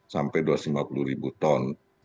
sampai dua ratus lima puluh ribu ton